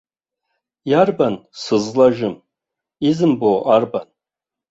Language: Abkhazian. Иарбан сызлажьым, изымбо арбан?!